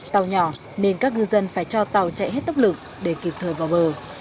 tàu nhỏ nên các ngư dân phải cho tàu chạy hết tốc lực để kịp thời vào bờ